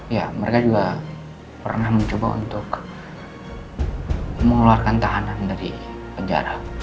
ya mereka juga pernah mencoba untuk mengeluarkan tahanan dari penjara